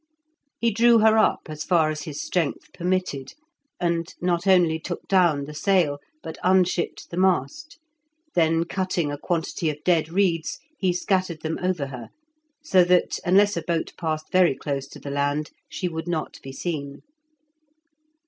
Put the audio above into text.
He drew her up as far as his strength permitted, and not only took down the sail, but unshipped the mast; then cutting a quantity of dead reeds, he scattered them over her, so that, unless a boat passed very close to the land, she would not be seen.